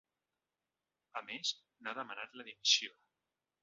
A més, n’ha demanat la dimissió.